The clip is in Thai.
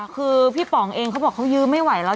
คือพี่ป๋องเองเขาบอกเขายื้อไม่ไหวแล้ว